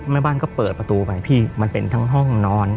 แม่บ้านก็เปิดประตูไปพี่มันเป็นทั้งห้องนอน